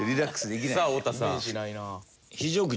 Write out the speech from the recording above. さあ太田さん。